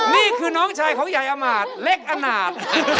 นี่คือน้องชายของใหญ่อมาร์ทเล็กอหนาด